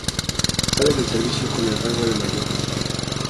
Sale del servicio con el rango de mayor.